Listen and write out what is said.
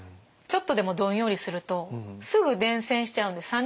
ちょっとでもどんよりするとすぐ伝染しちゃうんです。